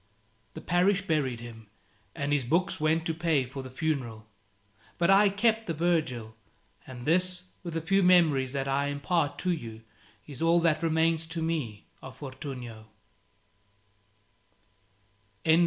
The parish buried him, and his books went to pay for the funeral. But I kept the Virgil; and this, with the few memories that I impart to you, is all that remains to me of Fortunio.